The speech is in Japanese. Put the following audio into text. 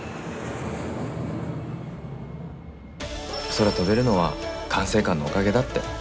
空飛べるのは管制官のおかげだって。